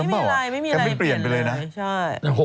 แกไม่เปลี่ยนไปเลยนะ